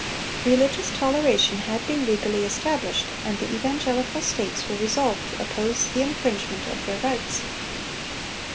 (285) Religious toleration had been legally established, and the evangelical states were resolved to oppose the infringement of their rights.